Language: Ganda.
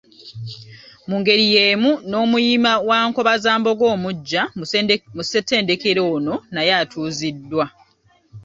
Mu ngeri y’emu n’Omuyima wa Nkobazambogo omuggya mu ssentedekero ono, naye atuuziddwa .